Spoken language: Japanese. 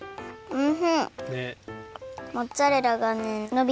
うん！